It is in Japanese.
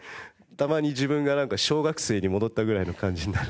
たまに自分が小学生に戻ったぐらいの感じになるんですけど。